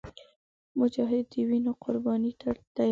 مجاهد د وینو قرباني ته تیار وي.